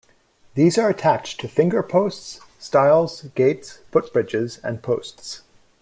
These are attached to fingerposts, stiles, gates, footbridges and posts.